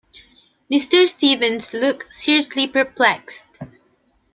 Mr. Stevens looked seriously perplexed.